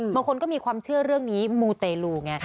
บางคนก็มีความเชื่อเรื่องนี้มูเตลูไง